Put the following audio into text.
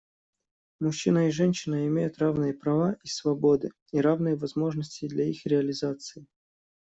Мужчина и женщина имеют равные права и свободы и равные возможности для их реализации.